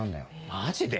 マジで？